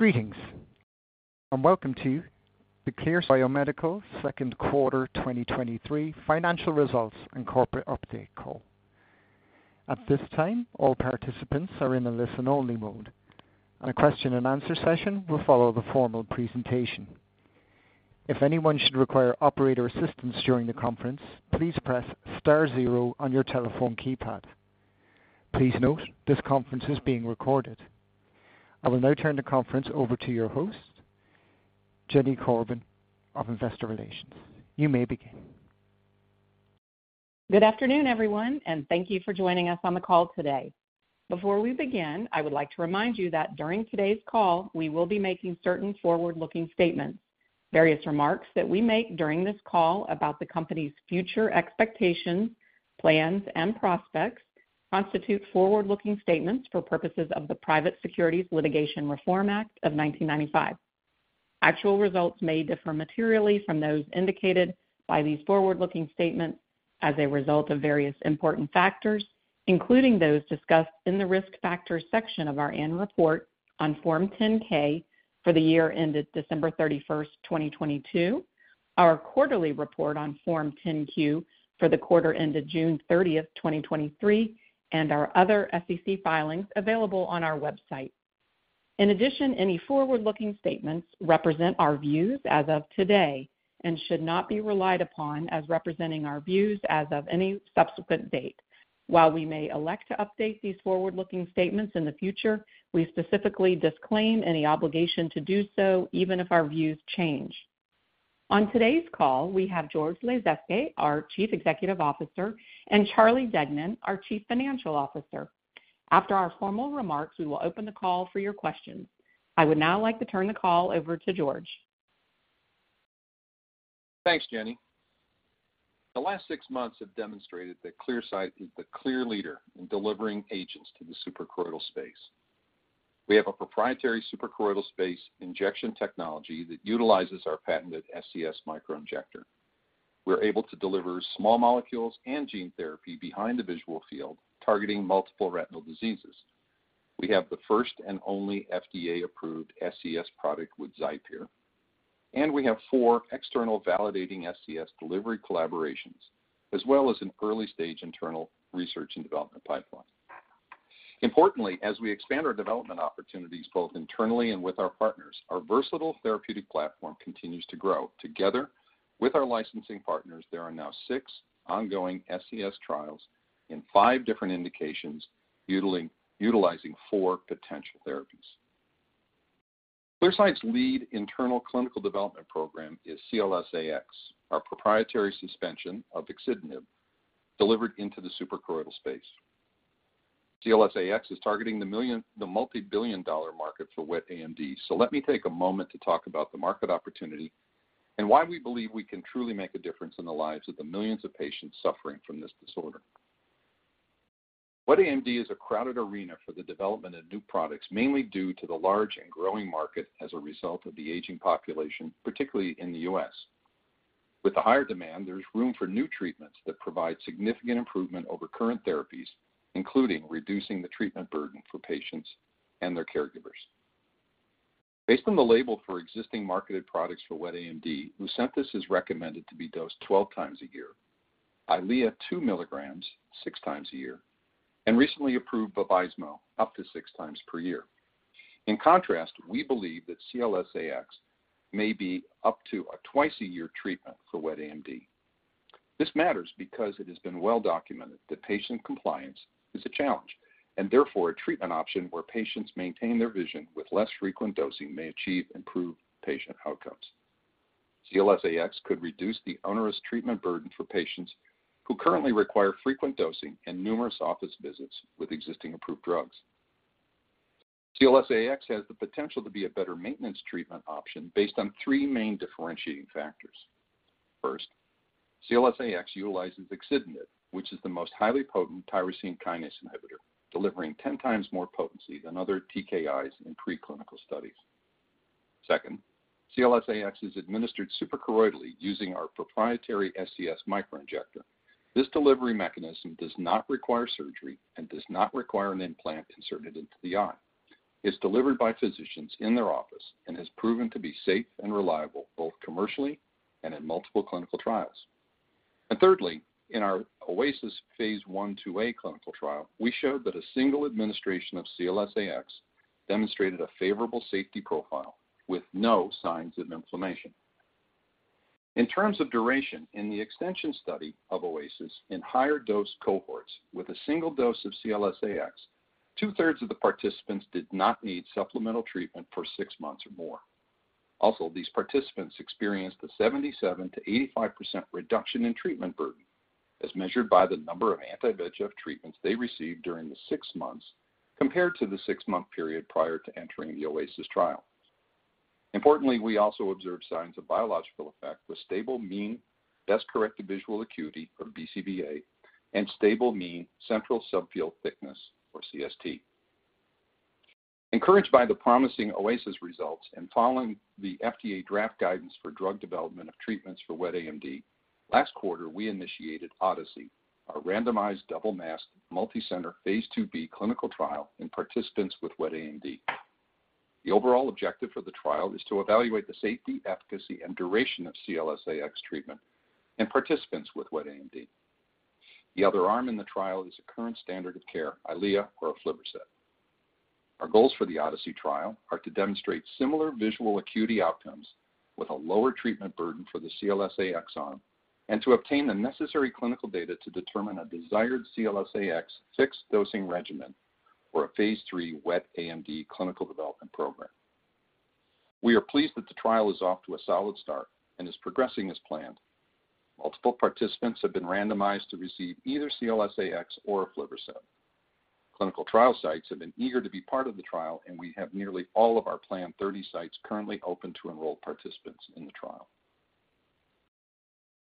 Greetings, welcome to the Clearside Biomedical Second Quarter 2023 Financial Results and Corporate Update Call. At this time, all participants are in a listen-only mode, and a question-and-answer session will follow the formal presentation. If anyone should require operator assistance during the conference, please press Star Zero on your telephone keypad. Please note, this conference is being recorded. I will now turn the conference over to your host, Jenny Kobin of Investor Relations. You may begin. Good afternoon, everyone, and thank you for joining us on the call today. Before we begin, I would like to remind you that during today's call, we will be making certain forward-looking statements. Various remarks that we make during this call about the company's future expectations, plans, and prospects constitute forward-looking statements for purposes of the Private Securities Litigation Reform Act of 1995. Actual results may differ materially from those indicated by these forward-looking statements as a result of various important factors, including those discussed in the Risk Factors section of our annual report on Form 10-K for the year ended December 31st, 2022, our quarterly report on Form 10-Q for the quarter ended June 30th, 2023, and our other SEC filings available on our website. In addition, any forward-looking statements represent our views as of today and should not be relied upon as representing our views as of any subsequent date. While we may elect to update these forward-looking statements in the future, we specifically disclaim any obligation to do so, even if our views change. On today's call, we have George Lasezkay, our Chief Executive Officer, and Charlie Deignan, our Chief Financial Officer. After our formal remarks, we will open the call for your questions. I would now like to turn the call over to George. Thanks, Jenny. The last 6 months have demonstrated that Clearside is the clear leader in delivering agents to the suprachoroidal space. We have a proprietary suprachoroidal space injection technology that utilizes our patented SCS Microinjector. We're able to deliver small molecules and gene therapy behind the visual field, targeting multiple retinal diseases. We have the first and only FDA-approved SCS product with XIPERE, and we have four external validating SCS delivery collaborations, as well as an early-stage internal research and development pipeline. Importantly, as we expand our development opportunities, both internally and with our partners, our versatile therapeutic platform continues to grow. Together with our licensing partners, there are now six ongoing SCS trials in five different indications, utilizing four potential therapies. Clearside's lead internal clinical development program is CLS-AX, our proprietary suspension of axitinib, delivered into the suprachoroidal space. CLS-AX is targeting the multi-billion dollar market for wet AMD. Let me take a moment to talk about the market opportunity and why we believe we can truly make a difference in the lives of the millions of patients suffering from this disorder. Wet AMD is a crowded arena for the development of new products, mainly due to the large and growing market as a result of the aging population, particularly in the US. With the higher demand, there's room for new treatments that provide significant improvement over current therapies, including reducing the treatment burden for patients and their caregivers. Based on the label for existing marketed products for wet AMD, Lucentis is recommended to be dosed 12 times a year, Eylea, 2 mg, 6 times a year, and recently approved Vabysmo, up to 6 times per year. In contrast, we believe that CLS-AX may be up to a twice-a-year treatment for wet AMD. This matters because it has been well documented that patient compliance is a challenge, and therefore, a treatment option where patients maintain their vision with less frequent dosing may achieve improved patient outcomes. CLS-AX could reduce the onerous treatment burden for patients who currently require frequent dosing and numerous office visits with existing approved drugs. CLS-AX has the potential to be a better maintenance treatment option based on three main differentiating factors. First, CLS-AX utilizes axitinib, which is the most highly potent tyrosine kinase inhibitor, delivering 10 times more potency than other TKIs in preclinical studies. Second, CLS-AX is administered suprachoroidally using our proprietary SCS Microinjector. This delivery mechanism does not require surgery and does not require an implant inserted into the eye. It's delivered by physicians in their office and has proven to be safe and reliable, both commercially and in multiple clinical trials. Thirdly, in our OASIS phase 1, 2A clinical trial, we showed that a single administration of CLS-AX demonstrated a favorable safety profile with no signs of inflammation. In terms of duration, in the extension study of OASIS, in higher dose cohorts with a single dose of CLS-AX, two-thirds of the participants did not need supplemental treatment for 6 months or more. Also, these participants experienced a 77%-85% reduction in treatment burden, as measured by the number of anti-VEGF treatments they received during the 6 months compared to the 6-month period prior to entering the OASIS trial. Importantly, we also observed signs of biological effect with stable mean best-corrected visual acuity, or BCVA, and stable mean central subfield thickness, or CST. Encouraged by the promising OASIS results and following the FDA draft guidance for drug development of treatments for wet AMD, last quarter, we initiated ODYSSEY, our randomized, double-masked, multicenter phase 2b clinical trial in participants with wet AMD. The overall objective for the trial is to evaluate the safety, efficacy, and duration of CLS-AX treatment in participants with wet AMD. The other arm in the trial is a current standard of care, Eylea or aflibercept. Our goals for the ODYSSEY trial are to demonstrate similar visual acuity outcomes with a lower treatment burden for the CLS-AX arm and to obtain the necessary clinical data to determine a desired CLS-AX fixed dosing regimen for a phase 3 wet AMD clinical development program. We are pleased that the trial is off to a solid start and is progressing as planned. Multiple participants have been randomized to receive either CLS-AX or aflibercept. Clinical trial sites have been eager to be part of the trial. We have nearly all of our planned 30 sites currently open to enroll participants in the trial.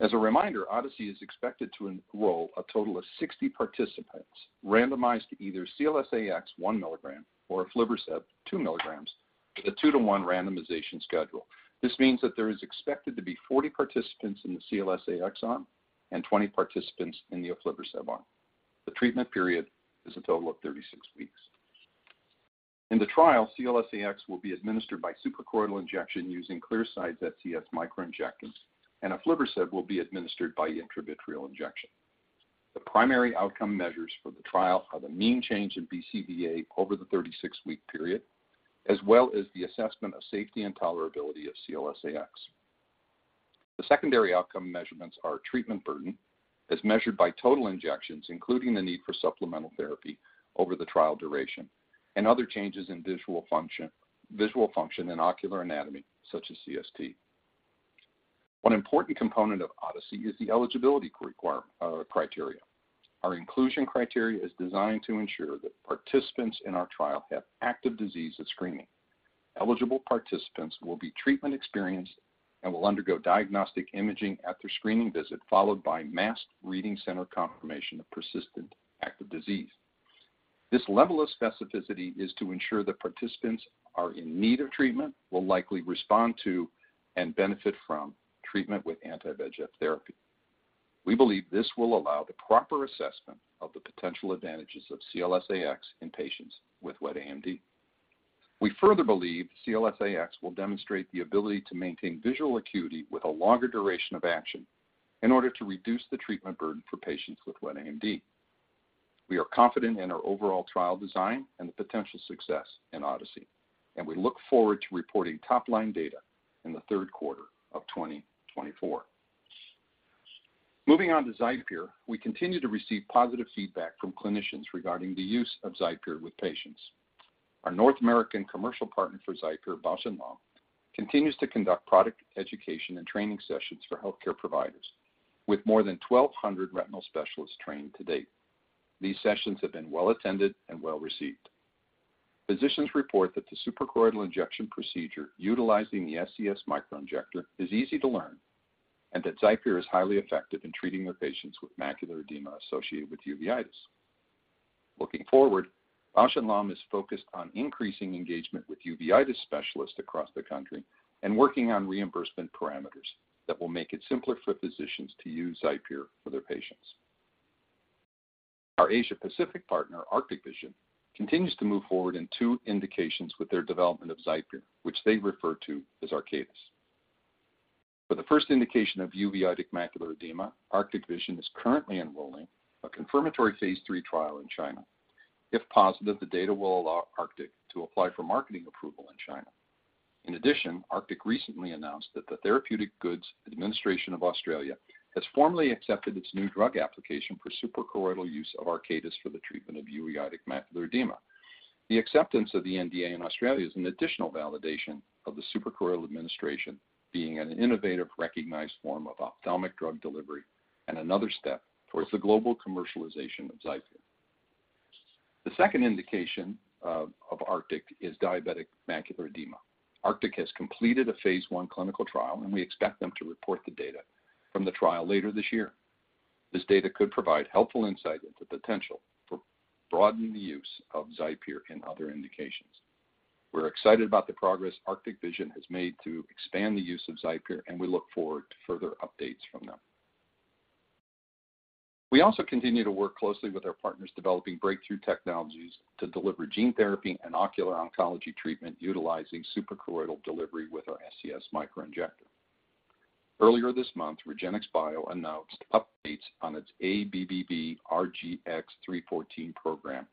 As a reminder, ODYSSEY is expected to enroll a total of 60 participants, randomized to either CLS-AX 1 milligram or Aflibercept 2 milligrams, with a 2-to-1 randomization schedule. This means that there is expected to be 40 participants in the CLS-AX arm and 20 participants in the Aflibercept arm. The treatment period is a total of 36 weeks. In the trial, CLS-AX will be administered by suprachoroidal injection using Clearside's SCS Microinjectors, and Aflibercept will be administered by intravitreal injection. The primary outcome measures for the trial are the mean change in BCVA over the 36-week period, as well as the assessment of safety and tolerability of CLS-AX. The secondary outcome measurements are treatment burden, as measured by total injections, including the need for supplemental therapy over the trial duration, and other changes in visual function, visual function, and ocular anatomy, such as CST. One important component of ODYSSEY is the eligibility require criteria. Our inclusion criteria is designed to ensure that participants in our trial have active disease at screening. Eligible participants will be treatment-experienced and will undergo diagnostic imaging at their screening visit, followed by masked reading center confirmation of persistent active disease. This level of specificity is to ensure that participants are in need of treatment, will likely respond to and benefit from treatment with anti-VEGF therapy. We believe this will allow the proper assessment of the potential advantages of CLS-AX in patients with wet AMD. We further believe CLS-AX will demonstrate the ability to maintain visual acuity with a longer duration of action in order to reduce the treatment burden for patients with wet AMD. We are confident in our overall trial design and the potential success in ODYSSEY. We look forward to reporting top-line data in the third quarter of 2024. Moving on to XIPERE, we continue to receive positive feedback from clinicians regarding the use of XIPERE with patients. Our North American commercial partner for XIPERE, Bausch + Lomb, continues to conduct product education and training sessions for healthcare providers, with more than 1,200 retinal specialists trained to date. These sessions have been well attended and well received. Physicians report that the suprachoroidal injection procedure utilizing the SCS Microinjector is easy to learn and that XIPERE is highly effective in treating their patients with macular edema associated with uveitis. Looking forward, Bausch + Lomb is focused on increasing engagement with uveitis specialists across the country and working on reimbursement parameters that will make it simpler for physicians to use XIPERE for their patients. Our Asia Pacific partner, Arctic Vision, continues to move forward in two indications with their development of XIPERE, which they refer to as ARCATUS. For the first indication of uveitic macular edema, Arctic Vision is currently enrolling a confirmatory phase 3 trial in China. If positive, the data will allow Arctic to apply for marketing approval in China. In addition, Arctic recently announced that the Therapeutic Goods Administration of Australia has formally accepted its new drug application for suprachoroidal use of ARCATUS for the treatment of uveitic macular edema. The acceptance of the NDA in Australia is an additional validation of the suprachoroidal administration being an innovative, recognized form of ophthalmic drug delivery and another step towards the global commercialization of XIPERE. The second indication of Arctic is diabetic macular edema. Arctic has completed a phase 1 clinical trial, and we expect them to report the data from the trial later this year. This data could provide helpful insight into potential for broadening the use of XIPERE in other indications. We're excited about the progress Arctic Vision has made to expand the use of XIPERE, and we look forward to further updates from them. We also continue to work closely with our partners, developing breakthrough technologies to deliver gene therapy and ocular oncology treatment utilizing suprachoroidal delivery with our SCS Microinjector. Earlier this month, REGENXBIO announced updates on its ABBV-RGX-314 program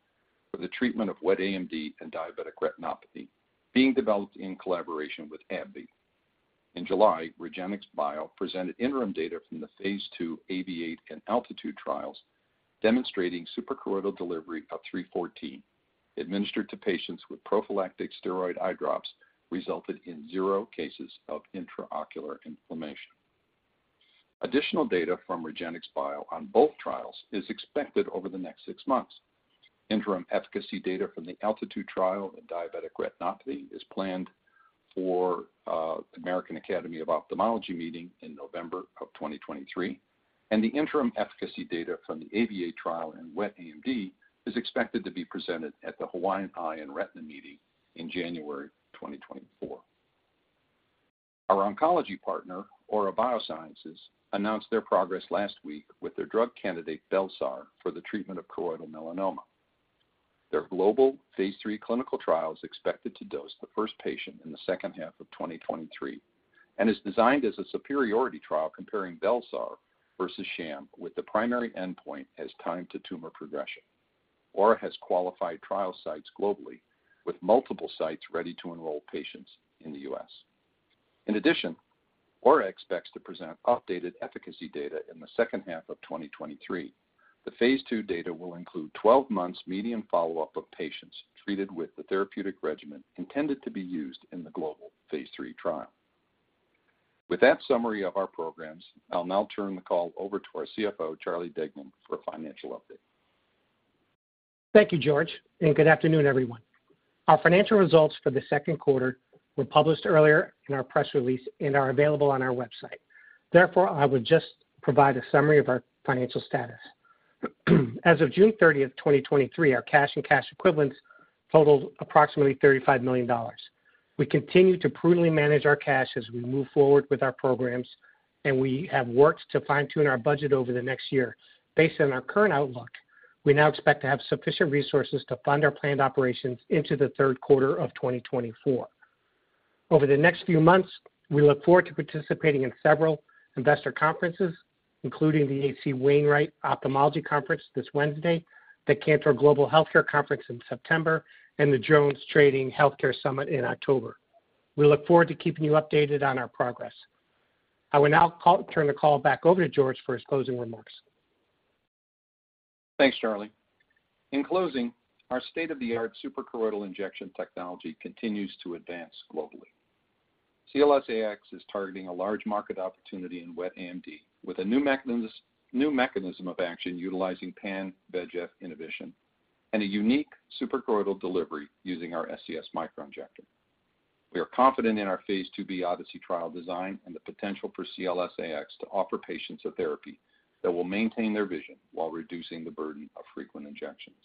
for the treatment of wet AMD and diabetic retinopathy, being developed in collaboration with AbbVie. In July, REGENXBIO presented interim data from the phase 2 AAVIATE and ALTITUDE trials, demonstrating suprachoroidal delivery of 314, administered to patients with prophylactic steroid eye drops, resulted in zero cases of intraocular inflammation. Additional data from REGENXBIO on both trials is expected over the next 6 months. Interim efficacy data from the ALTITUDE trial in diabetic retinopathy is planned for the American Academy of Ophthalmology meeting in November of 2023, and the interim efficacy data from the AAVIATE trial in wet AMD is expected to be presented at the Hawaiian Eye and Retina Meeting in January 2023. Our oncology partner, Aura Biosciences, announced their progress last week with their drug candidate, bel-sar, for the treatment of choroidal melanoma. Their global phase 3 clinical trial is expected to dose the first patient in the second half of 2023, and is designed as a superiority trial comparing bel-sar versus sham, with the primary endpoint as time to tumor progression. Aura has qualified trial sites globally, with multiple sites ready to enroll patients in the US. In addition, Aura expects to present updated efficacy data in the second half of 2023. The Phase 2 data will include 12 months median follow-up of patients treated with the therapeutic regimen intended to be used in the global Phase 3 trial. With that summary of our programs, I'll now turn the call over to our CFO, Charlie Deignan, for a financial update. Thank you, George. Good afternoon, everyone. Our financial results for the second quarter were published earlier in our press release and are available on our website. I would just provide a summary of our financial status. As of June 30th, 2023, our cash and cash equivalents totaled approximately $35 million. We continue to prudently manage our cash as we move forward with our programs. We have worked to fine-tune our budget over the next year. Based on our current outlook, we now expect to have sufficient resources to fund our planned operations into the third quarter of 2024. Over the next few months, we look forward to participating in several investor conferences, including the H.C. Wainwright Ophthalmology Conference this Wednesday, the Cantor Fitzgerald Global Healthcare Conference in September, and the JonesTrading Healthcare Summit in October. We look forward to keeping you updated on our progress. I will now turn the call back over to George for his closing remarks. Thanks, Charlie. In closing, our state-of-the-art suprachoroidal injection technology continues to advance globally. CLS-AX is targeting a large market opportunity in wet AMD, with a new mechanism, new mechanism of action utilizing pan-VEGF inhibition and a unique suprachoroidal delivery using our SCS Microinjector. We are confident in our Phase 2b ODYSSEY trial design and the potential for CLS-AX to offer patients a therapy that will maintain their vision while reducing the burden of frequent injections.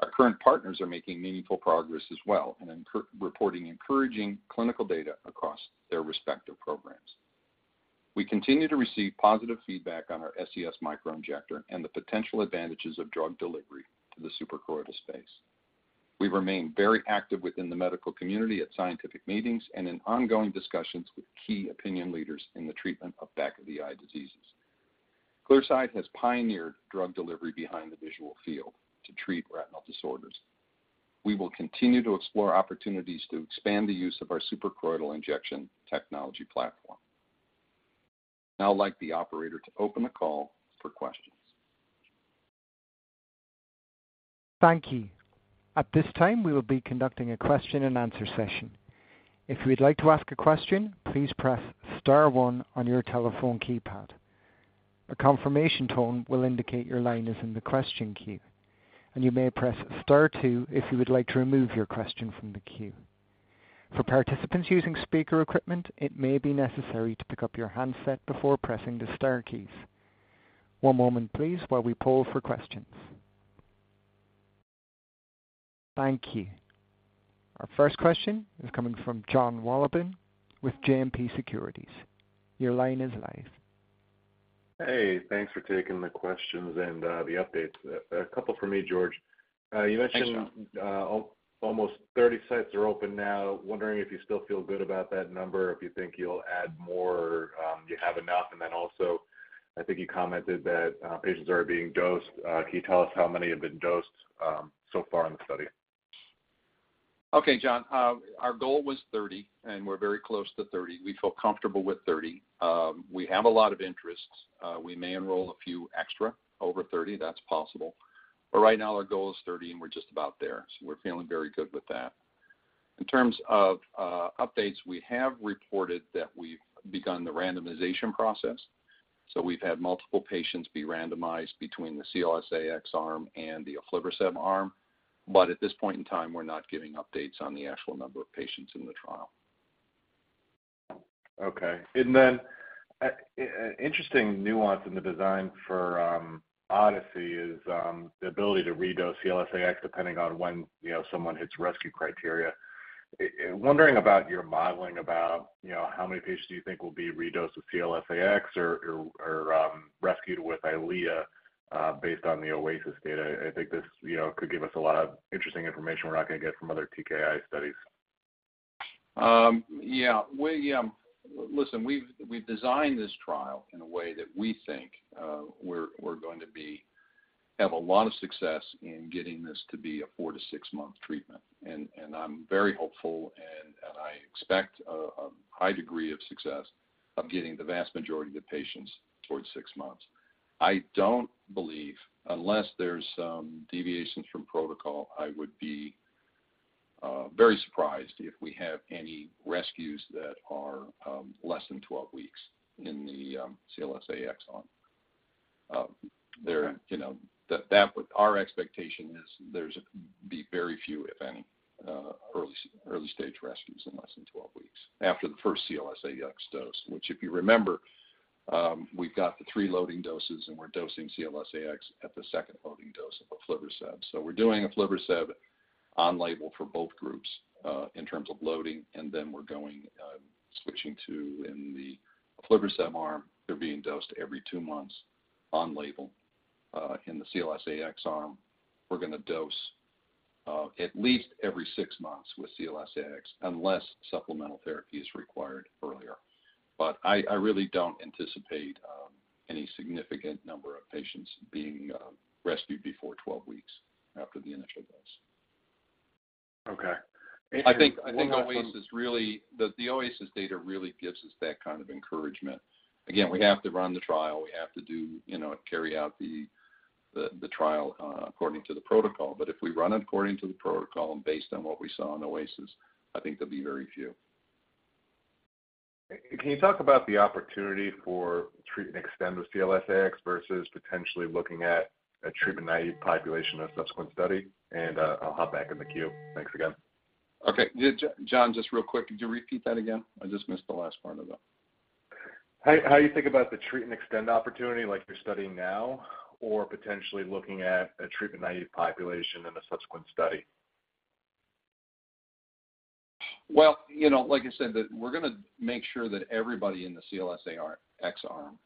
Our current partners are making meaningful progress as well and reporting encouraging clinical data across their respective programs. We continue to receive positive feedback on our SCS Microinjector and the potential advantages of drug delivery to the suprachoroidal space. We remain very active within the medical community, at scientific meetings, and in ongoing discussions with key opinion leaders in the treatment of back-of-the-eye diseases. Clearside has pioneered drug delivery behind the visual field to treat retinal disorders. We will continue to explore opportunities to expand the use of our suprachoroidal injection technology platform. I'd now like the operator to open the call for questions. Thank you. At this time, we will be conducting a question-and-answer session. If you'd like to ask a question, please press star one on your telephone keypad. A confirmation tone will indicate your line is in the question queue, and you may press star two if you would like to remove your question from the queue. For participants using speaker equipment, it may be necessary to pick up your handset before pressing the star keys. One moment, please, while we poll for questions. Thank you. Our first question is coming from Jon Wolleben with JMP Securities. Your line is live. Hey, thanks for taking the questions and the updates. A couple from me, George. Thanks, John. Almost 30 sites are open now. Wondering if you still feel good about that number, if you think you'll add more or you have enough. Then also, I think you commented that patients are being dosed. Can you tell us how many have been dosed so far in the study? Okay, John. Our goal was 30, and we're very close to 30. We feel comfortable with 30. We have a lot of interest. We may enroll a few extra over 30. That's possible. Right now, our goal is 30, and we're just about there, so we're feeling very good with that. In terms of updates, we have reported that we've begun the randomization process, so we've had multiple patients be randomized between the CLS-AX arm and the aflibercept arm. At this point in time, we're not giving updates on the actual number of patients in the trial. Okay. Interesting nuance in the design for ODYSSEY is the ability to redose CLS-AX, depending on when, you know, someone hits rescue criteria. Wondering about your modeling about, you know, how many patients do you think will be redosed with CLS-AX or rescued with EYLEA, based on the OASIS data? I think this, you know, could give us a lot of interesting information we're not going to get from other TKI studies. Yeah, we... Listen, we've designed this trial in a way that we think we're going to have a lot of success in getting this to be a 4-6-month treatment. I'm very hopeful, and I expect a high degree of success of getting the vast majority of the patients towards 6 months. I don't believe, unless there's some deviations from protocol, I would be very surprised if we have any rescues that are less than 12 weeks in the CLS-AX arm. There, you know, that would— Our expectation is there's be very few, if any, early, early-stage rescues in less than 12 weeks after the first CLS-AX dose. Which, if you remember, we've got the 3 loading doses, and we're dosing CLS-AX at the second loading dose of aflibercept. We're doing aflibercept on label for both groups, in terms of loading, and then we're going switching to, in the aflibercept arm, they're being dosed every 2 months on label. In the CLS-AX arm, we're going to dose at least every 6 months with CLS-AX, unless supplemental therapy is required earlier. I, I really don't anticipate any significant number of patients being rescued before 12 weeks after the initial dose. Okay. I think OASIS is really, the OASIS data really gives us that kind of encouragement. Again, we have to run the trial. We have to do, you know, carry out the trial according to the protocol. If we run according to the protocol and based on what we saw in OASIS, I think there'll be very few. Can you talk about the opportunity for treat and extend with CLS-AX versus potentially looking at a treatment-naive population in a subsequent study? I'll hop back in the queue. Thanks again. Okay. John, just real quick, could you repeat that again? I just missed the last part of that. How, how you think about the treat and extend opportunity like you're studying now, or potentially looking at a treatment-naive population in a subsequent study? Well, you know, like I said, that we're going to make sure that everybody in the CLS-AX arm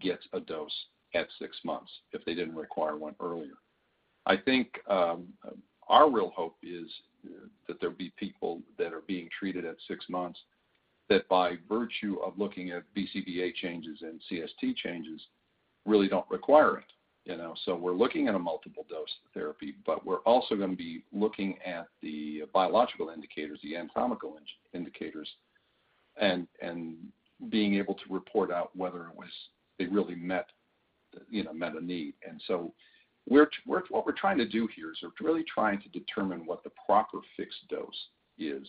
gets a dose at 6 months if they didn't require one earlier. I think our real hope is that there'll be people that are being treated at 6 months, that by virtue of looking at BCVA changes and CST changes, really don't require it, you know? What we're trying to do here is we're really trying to determine what the proper fixed dose is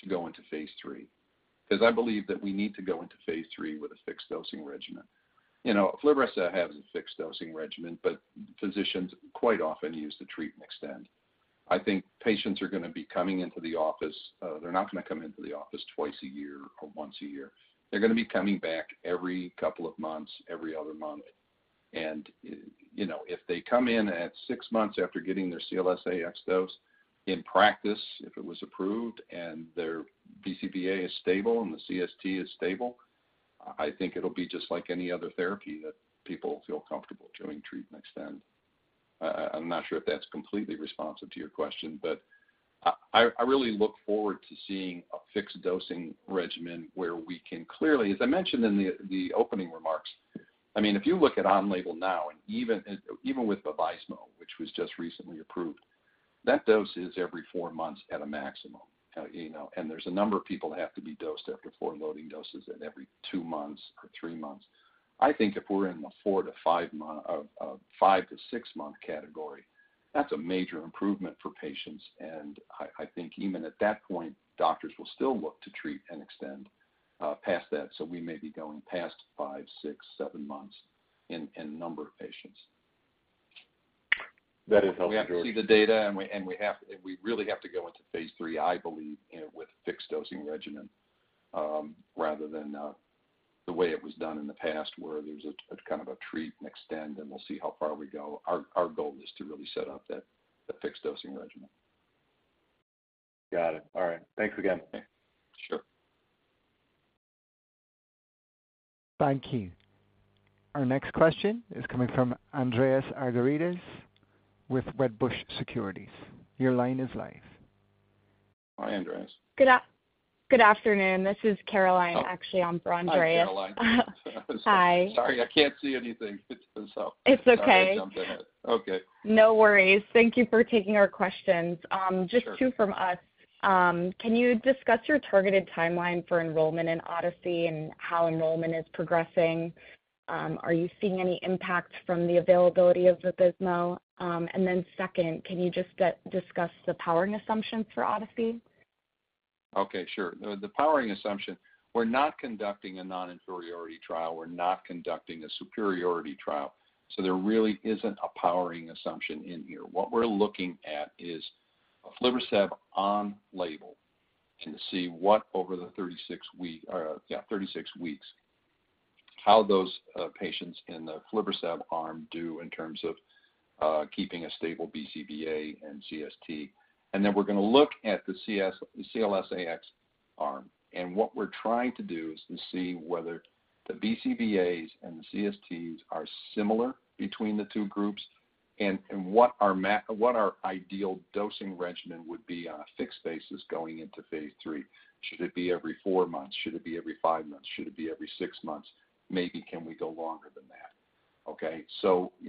to go into phase 3, because I believe that we need to go into phase 3 with a fixed dosing regimen. You know, aflibercept has a fixed dosing regimen, but physicians quite often use the treat and extend. I think patients are going to be coming into the office, they're not going to come into the office twice a year or once a year. They're going to be coming back every couple of months, every other month. You know, if they come in at 6 months after getting their CLS-AX dose, in practice, if it was approved and their BCVA is stable and the CST is stable, I think it'll be just like any other therapy that people feel comfortable doing treat and extend. I, I'm not sure if that's completely responsive to your question, but I really look forward to seeing a fixed dosing regimen where we can clearly... As I mentioned in the, the opening remarks, I mean, if you look at on label now, and even, even with Vabysmo, which was just recently approved, that dose is every 4 months at a maximum, you know, and there's a number of people that have to be dosed after 4 loading doses at every 2 months or 3 months. I think if we're in the 4-5 month, 5-6 month category, that's a major improvement for patients, and I, I think even at that point, doctors will still look to treat and extend, past that. We may be going past 5, 6, 7 months in, in number of patients. That is helpful. We have to see the data, and we have to... We really have to go into phase 3, I believe, with fixed dosing regimen, rather than the way it was done in the past, where there was a, a kind of a treat and extend, and we'll see how far we go. Our, our goal is to really set up that, the fixed dosing regimen. Got it. All right. Thanks again. Sure. Thank you. Our next question is coming from Andreas Argyrides with Wedbush Securities. Your line is live. Hi, Andreas. Good afternoon. This is Caroline, actually, on for Andreas. Hi, Caroline. Hi. Sorry, I can't see anything. It's been so- It's okay. Okay. No worries. Thank you for taking our questions. Sure. Just 2 from us. Can you discuss your targeted timeline for enrollment in Odyssey and how enrollment is progressing? Are you seeing any impact from the availability of Vabysmo? Then second, can you just discuss the powering assumptions for Odyssey? Okay, sure. The, the powering assumption, we're not conducting a non-inferiority trial. We're not conducting a superiority trial. There really isn't a powering assumption in here. What we're looking at is aflibercept on label to see what over the 36 week, yeah, 36 weeks, how those patients in the aflibercept arm do in terms of keeping a stable BCVA and CST. Then we're going to look at the CLS-AX arm, and what we're trying to do is to see whether the BCVAs and the CSTs are similar between the two groups and what our ideal dosing regimen would be on a fixed basis going into phase 3. Should it be every four months? Should it be every five months? Should it be every six months? Maybe, can we go longer than that? Okay,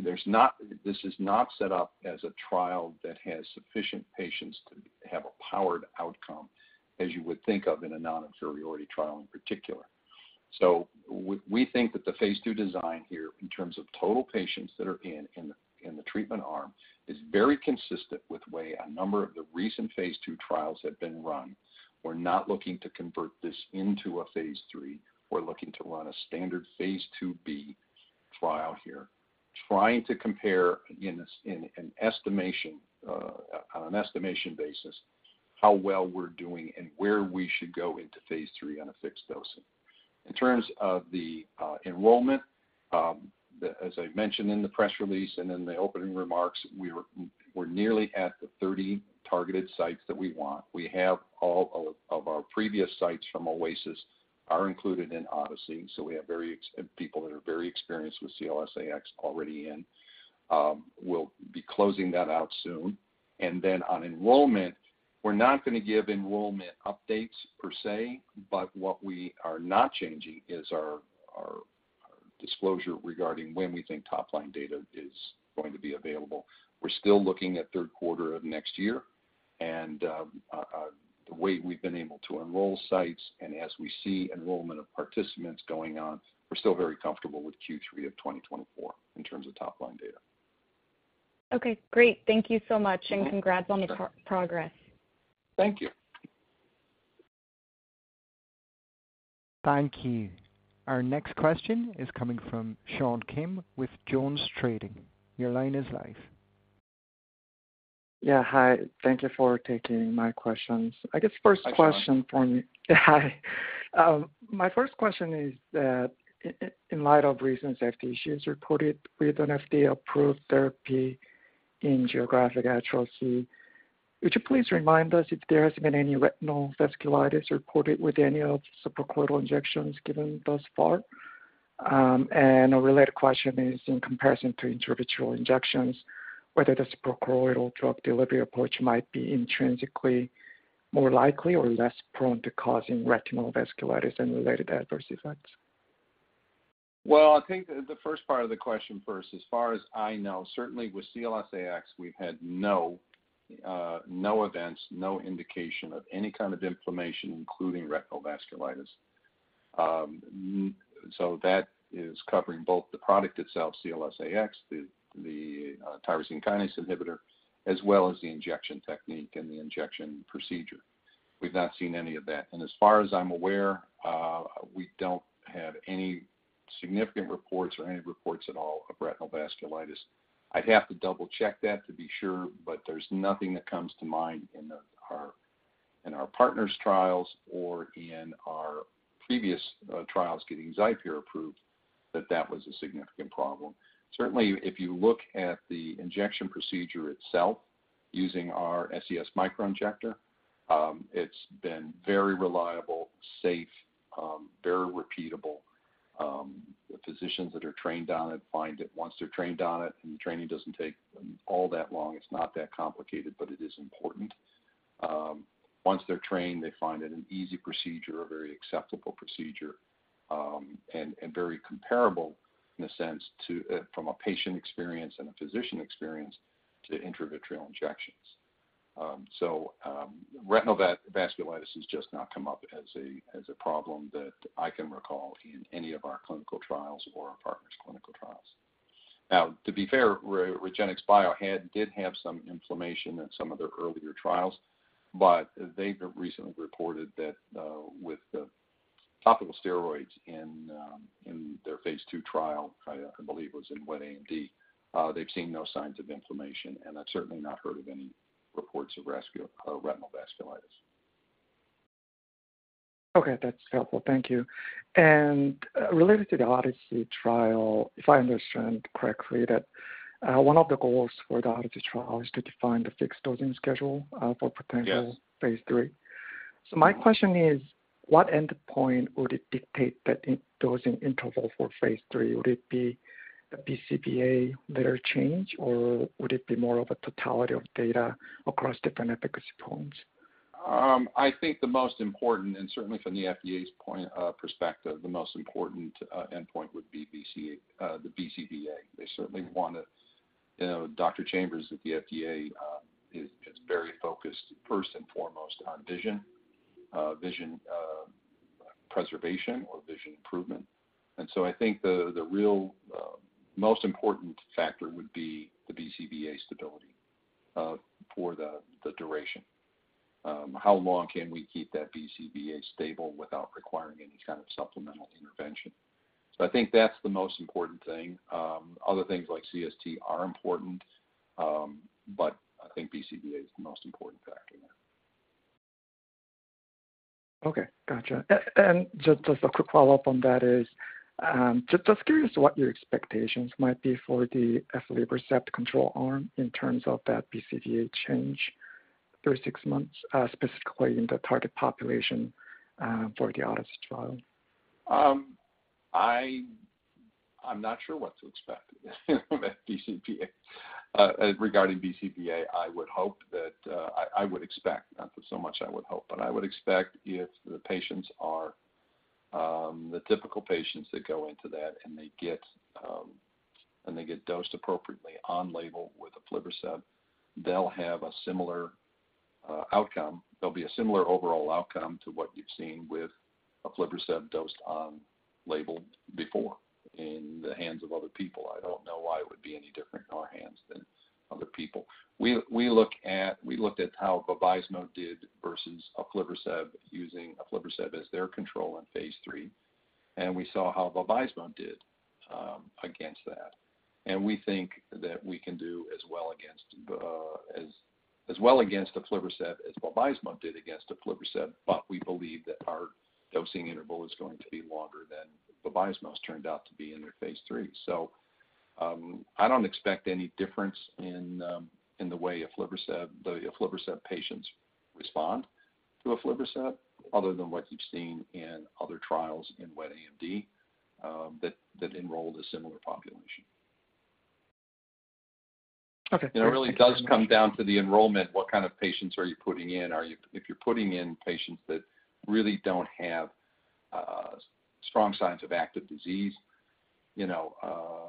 there's not. This is not set up as a trial that has sufficient patients to have a powered outcome, as you would think of in a non-inferiority trial in particular. We, we think that the phase 2 design here, in terms of total patients that are in, in the, in the treatment arm, is very consistent with the way a number of the recent phase 2 trials have been run. We're not looking to convert this into a phase 3. We're looking to run a standard phase 2b trial here, trying to compare, again, in an estimation, on an estimation basis, how well we're doing and where we should go into phase 3 on a fixed dosing. In terms of the enrollment, the, as I mentioned in the press release and in the opening remarks, we're, we're nearly at the 30 targeted sites that we want. We have all of, of our previous sites from OASIS are included in ODYSSEY, so we have very ex- people that are very experienced with CLS-AX already in. We'll be closing that out soon. On enrollment, we're not going to give enrollment updates per se, but what we are not changing is our, our, our disclosure regarding when we think top-line data is going to be available. We're still looking at third quarter of next year, and the way we've been able to enroll sites and as we see enrollment of participants going on, we're still very comfortable with Q3 of 2024 in terms of top-line data. Okay, great. Thank you so much. Congrats on the progress. Thank you. Thank you. Our next question is coming from Sean Kim with JonesTrading. Your line is live. Yeah, hi. Thank you for taking my questions. I guess first question for me. Hi, Sean. Hi. My first question is that in light of recent safety issues reported with an FDA-approved therapy in geographic atrophy, would you please remind us if there has been any retinal vasculitis reported with any of the suprachoroidal injections given thus far? A related question is, in comparison to intravitreal injections, whether the suprachoroidal drug delivery approach might be intrinsically more likely or less prone to causing retinal vasculitis and related adverse events. Well, I think the, the first part of the question first, as far as I know, certainly with CLS-AX, we've had no, no events, no indication of any kind of inflammation, including retinal vasculitis. That is covering both the product itself, CLS-AX, the, the, tyrosine kinase inhibitor, as well as the injection technique and the injection procedure. We've not seen any of that. As far as I'm aware, we don't have any significant reports or any reports at all of retinal vasculitis. I'd have to double-check that to be sure, but there's nothing that comes to mind in the, our, in our partner's trials or in our previous, trials getting XIPERE approved, that that was a significant problem. Certainly, if you look at the injection procedure itself, using our SCS Microinjector, it's been very reliable, safe, very repeatable. The physicians that are trained on it find it once they're trained on it, and the training doesn't take all that long, it's not that complicated, but it is important. Once they're trained, they find it an easy procedure, a very acceptable procedure, and, and very comparable in a sense to, from a patient experience and a physician experience to intravitreal injections. Retinal vasculitis has just not come up as a, as a problem that I can recall in any of our clinical trials or our partners' clinical trials. Now, to be fair, REGENXBIO had, did have some inflammation in some of their earlier trials, but they've recently reported that, with the topical steroids in, in their phase 2 trial, I believe was in wet AMD, they've seen no signs of inflammation, and I've certainly not heard of any reports of retinal vasculitis. Okay, that's helpful. Thank you. Related to the ODYSSEY trial, if I understand correctly, that, one of the goals for the ODYSSEY trial is to define the fixed dosing schedule, for potential- phase 3. My question is, what endpoint would it dictate that in dosing interval for phase 3? Would it be the BCVA liter change, or would it be more of a totality of data across different efficacy points? I think the most important, and certainly from the FDA's point, perspective, the most important, endpoint would be the BCVA. They certainly want it. You know, Dr. Chambers at the FDA is very focused, first and foremost, on vision, vision preservation or vision improvement. I think the real most important factor would be the BCVA stability for the duration. How long can we keep that BCVA stable without requiring any kind of supplemental intervention? I think that's the most important thing. Other things like CST are important, I think BCVA is the most important factor there. Okay, gotcha. Just as a quick follow-up on that is, just curious what your expectations might be for the aflibercept control arm in terms of that BCVA change through 6 months, specifically in the target population, for the ODYSSEY trial? I'm not sure what to expect, you know, with BCVA. Regarding BCVA, I would hope that I would expect, not so much I would hope, but I would expect if the patients are the typical patients that go into that and they get and they get dosed appropriately on label with aflibercept, they'll have a similar outcome. There'll be a similar overall outcome to what you've seen with aflibercept dosed on label before in the hands of other people. I don't know why it would be any different in our hands than other people. We looked at how bevacizumab did versus aflibercept, using aflibercept as their control in phase 3. We saw how Vabysmo did against that. We think that we can do as well against, as, as well against Aflibercept as Vabysmo did against Aflibercept, but we believe that our dosing interval is going to be longer than Vabysmo's turned out to be in their phase 3. I don't expect any difference in, in the way Aflibercept, the Aflibercept patients respond to Aflibercept, other than what you've seen in other trials in wet AMD, that, that enrolled a similar population. It really does come down to the enrollment. What kind of patients are you putting in? Are you- if you're putting in patients that really don't have strong signs of active disease, you know,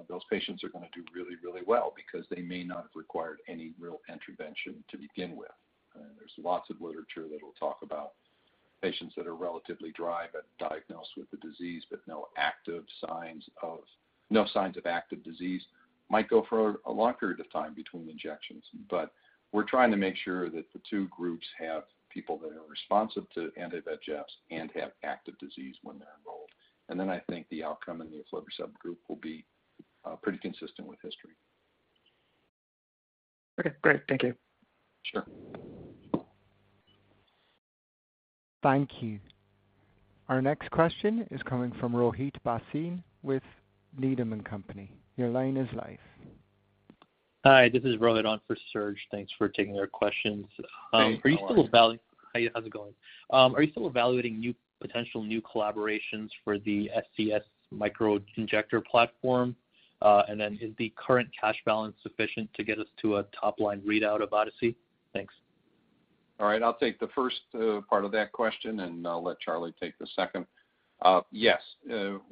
those patients are going to do really, really well because they may not have required any real intervention to begin with. There's lots of literature that will talk about patients that are relatively dry, but diagnosed with the disease, but no active signs of- no signs of active disease, might go for a long period of time between injections. We're trying to make sure that the two groups have people that are responsive to anti-VEGFs and have active disease when they're enrolled. Then I think the outcome in the aflibercept group will be pretty consistent with history. Okay, great. Thank you. Sure. Thank you. Our next question is coming from Rohit Bhasin with Needham & Company. Your line is live. Hi, this is Rohit on for Serge. Thanks for taking our questions. Hey, how are you? Hi, how's it going? Are you still evaluating new, potential new collaborations for the SCS Microinjector platform? Is the current cash balance sufficient to get us to a top-line readout of ODYSSEY? Thanks. All right, I'll take the first part of that question, and I'll let Charlie take the second. Yes,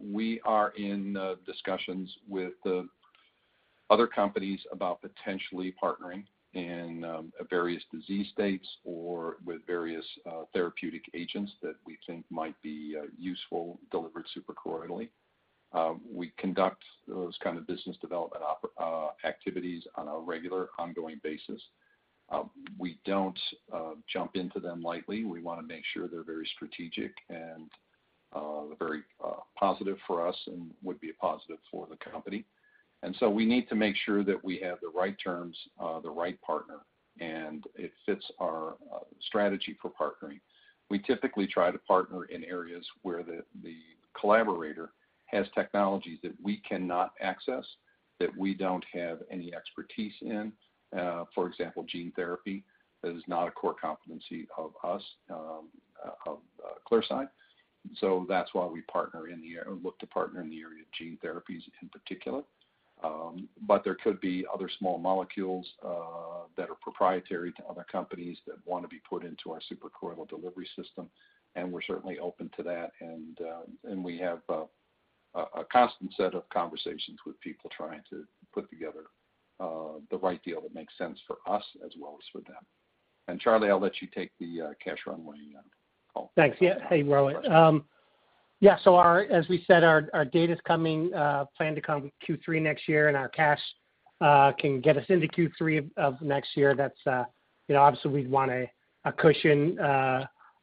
we are in discussions with the other companies about potentially partnering in various disease states or with various therapeutic agents that we think might be useful, delivered suprachoroidally. We conduct those kind of business development activities on a regular ongoing basis. We don't jump into them lightly. We want to make sure they're very strategic and very positive for us and would be a positive for the company. We need to make sure that we have the right terms, the right partner, and it fits our strategy for partnering. We typically try to partner in areas where the collaborator has technologies that we cannot access, that we don't have any expertise in. For example, gene therapy, that is not a core competency of us, of Clearside. That's why we partner in the area, look to partner in the area of gene therapies in particular. But there could be other small molecules that are proprietary to other companies that want to be put into our suprachoroidal delivery system, and we're certainly open to that. We have a constant set of conversations with people trying to put together the right deal that makes sense for us as well as for them. Charlie, I'll let you take the cash runway call. Thanks. Yeah. Hey, Rohit. Yeah, our, as we said, our data's coming, planned to come Q3 next year, and our cash can get us into Q3 of next year. That's, you know, obviously, we'd want a cushion,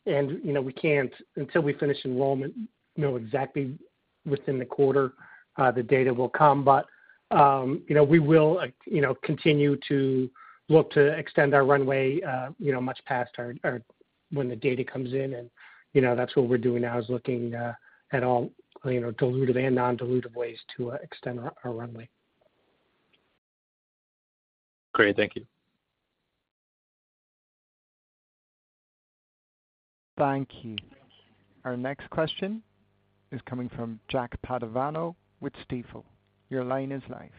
you know, we can't, until we finish enrollment, know exactly within the quarter the data will come. You know, we will, you know, continue to look to extend our runway, you know, much past our. When the data comes in, you know, that's what we're doing now is looking at all, you know, dilutive and non-dilutive ways to extend our runway. Great. Thank you. Thank you. Our next question is coming from Jack Padovano with Stifel. Your line is live.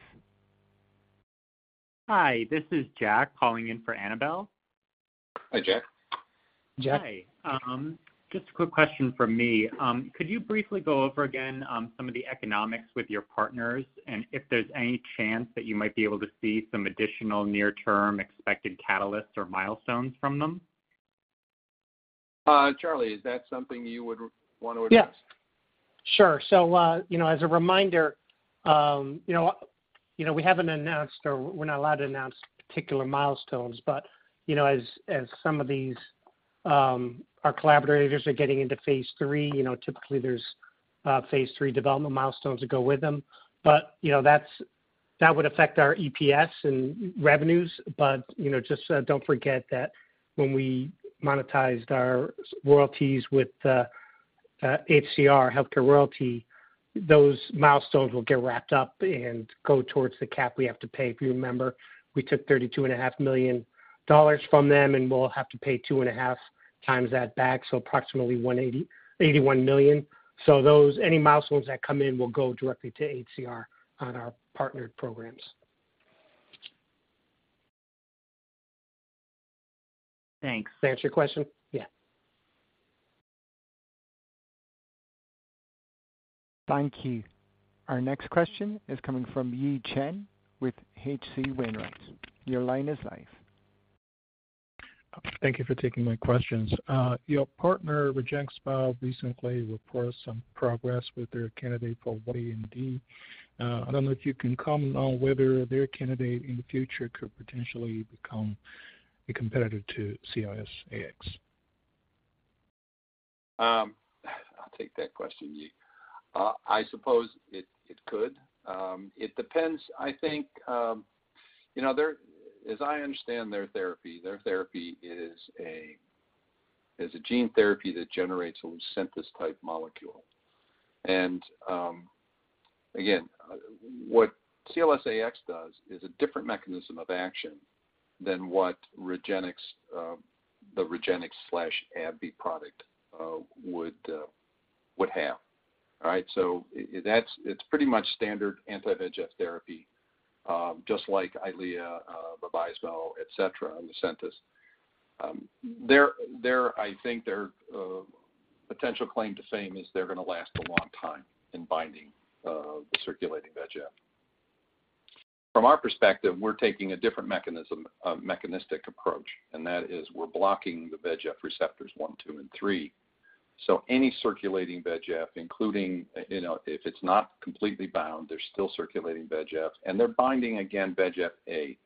Hi, this is Jack calling in for Annabel. Hi, Jack. Hi, just a quick question from me. Could you briefly go over again, some of the economics with your partners, and if there's any chance that you might be able to see some additional near-term expected catalysts or milestones from them? Charlie, is that something you would want to address? Yeah. Sure. You know, you know, we haven't announced or we're not allowed to announce particular milestones, but, you know, as, as some of these, our collaborators are getting into phase 3, you know, typically there's phase 3 development milestones that go with them. You know, that would affect our EPS and revenues. You know, just don't forget that when we monetized our royalties with HCRx, Healthcare Royalty, those milestones will get wrapped up and go towards the cap we have to pay. If you remember, we took $32.5 million from them, and we'll have to pay 2.5 times that back, so approximately $81 million. Those, any milestones that come in will go directly to HCRx on our partnered programs. Thanks. Does that answer your question? Yeah. Thank you. Our next question is coming from Yi Chen with H.C. Wainwright. Your line is live. Thank you for taking my questions. Your partner, REGENXBIO, recently reported some progress with their candidate for wet AMD. I don't know if you can comment on whether their candidate in the future could potentially become be competitive to CLS-AX? I'll take that question, Yi. I suppose it, it could. It depends, I think, you know, as I understand their therapy, their therapy is a gene therapy that generates a Lucentis-type molecule. Again, what CLS-AX does is a different mechanism of action than what REGENXBIO, the REGENXBIO/AbbVie product, would have. All right? It's pretty much standard anti-VEGF therapy, just like Eylea, Avastin, et cetera, Lucentis. Their, their, I think their potential claim to fame is they're going to last a long time in binding the circulating VEGF. From our perspective, we're taking a different mechanism, mechanistic approach, and that is we're blocking the VEGF receptors 1, 2, and 3. Any circulating VEGF, including, you know, if it's not completely bound, there's still circulating VEGF, and they're binding again, VEGF-A.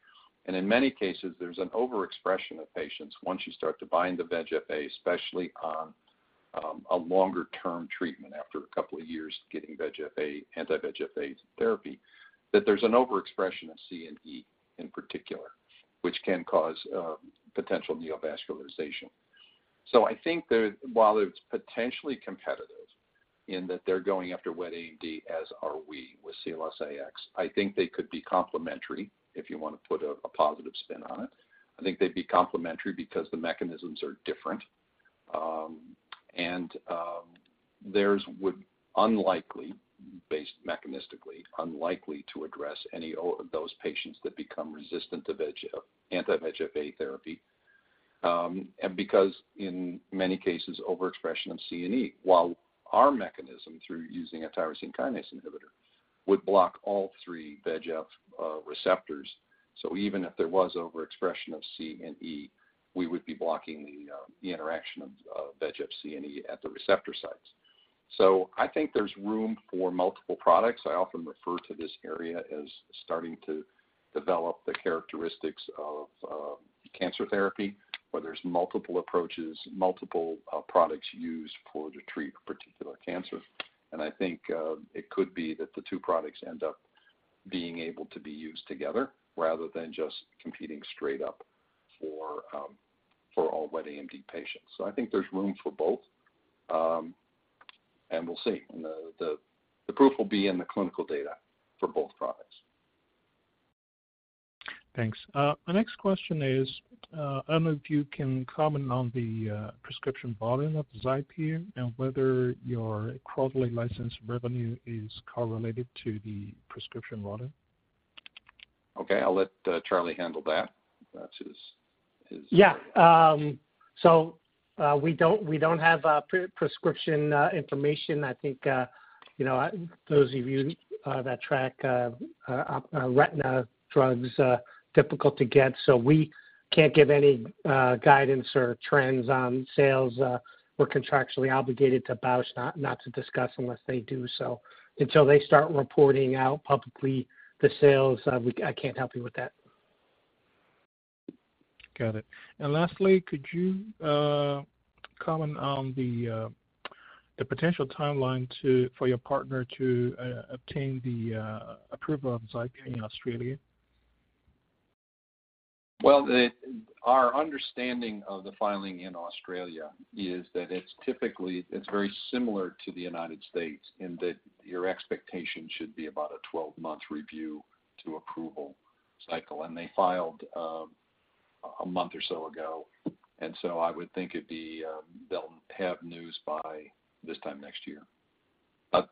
In many cases, there's an overexpression of patients once you start to bind the VEGF-A, especially on a longer term treatment, after a couple of years getting VEGF-A, anti-VEGF-A therapy, that there's an overexpression of C and E in particular, which can cause potential neovascularization. I think there, while it's potentially competitive in that they're going after wet AMD, as are we with CLS-AX, I think they could be complementary, if you want to put a positive spin on it. I think they'd be complementary because the mechanisms are different. Theirs would unlikely, based mechanistically, unlikely to address any of those patients that become resistant to VEGF, anti-VEGF-A therapy. Because in many cases, overexpression of C and E, while our mechanism, through using a tyrosine kinase inhibitor, would block all three VEGF receptors. Even if there was overexpression of VEGF-C and VEGF-E, we would be blocking the interaction of, of VEGF-C and VEGF-E at the receptor sites. I think there's room for multiple products. I often refer to this area as starting to develop the characteristics of cancer therapy, where there's multiple approaches, multiple products used to treat particular cancer. I think it could be that the two products end up being able to be used together rather than just competing straight up for all wet AMD patients. I think there's room for both, and we'll see. The, the, the proof will be in the clinical data for both products. Thanks. My next question is, I don't know if you can comment on the prescription volume of XIPERE and whether your quarterly license revenue is correlated to the prescription volume? Okay, I'll let Charlie handle that. That's his. Yeah. We don't, we don't have pre-prescription information. I think, you know, those of you that track retina drugs, difficult to get, so we can't give any guidance or trends on sales. We're contractually obligated to Bausch, not, not to discuss unless they do so. Until they start reporting out publicly the sales, I can't help you with that. Got it. Lastly, could you comment on the potential timeline to, for your partner to obtain the approval of XIPERE in Australia? Well, our understanding of the filing in Australia is that it's typically, it's very similar to the United States, in that your expectation should be about a 12-month review to approval cycle. They filed, 1 month or so ago, and so I would think it'd be, they'll have news by this time next year.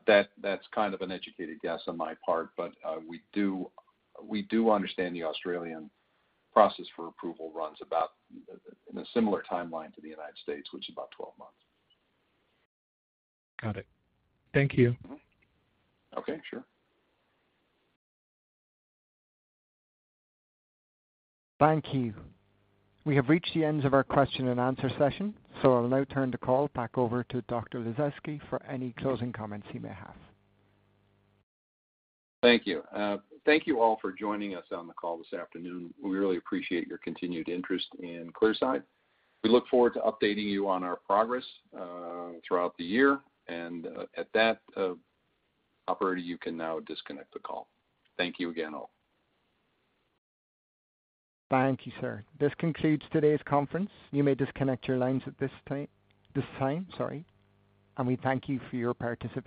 That, that's kind of an educated guess on my part. We do, we do understand the Australian process for approval runs about, in a similar timeline to the United States, which is about 12 months. Got it. Thank you. Mm-hmm. Okay, sure. Thank you. We have reached the end of our question and answer session, so I'll now turn the call back over to Dr. Lasezkay for any closing comments he may have. Thank you. Thank you all for joining us on the call this afternoon. We really appreciate your continued interest in Clearside. We look forward to updating you on our progress throughout the year. At that, operator, you can now disconnect the call. Thank you again, all. Thank you, sir. This concludes today's conference. You may disconnect your lines at this time. We thank you for your participation.